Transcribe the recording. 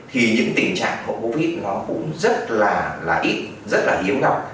thì những tình trạng của covid nó cũng rất là ít rất là hiếu gặp